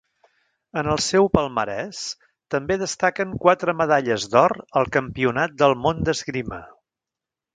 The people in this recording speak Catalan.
En el seu palmarès també destaquen quatre medalles d'or al campionat del món d'esgrima.